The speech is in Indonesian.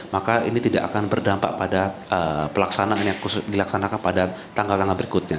maka ini tidak akan berdampak pada pelaksanaan yang dilaksanakan pada tanggal tanggal berikutnya